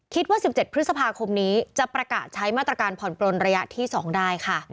๑๗พฤษภาคมนี้จะประกาศใช้มาตรการผ่อนปลนระยะที่๒ได้ค่ะ